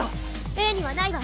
Ａにはないわ。